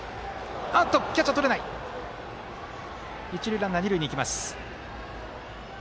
一塁ランナー二塁に行きます。